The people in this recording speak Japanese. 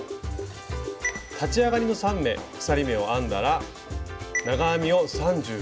立ち上がりの３目鎖目を編んだら長編みを３６目編みます。